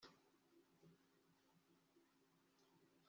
n ikibazo mufitanye kitakemutse